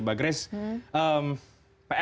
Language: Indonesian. mbak grace psi partai yang baru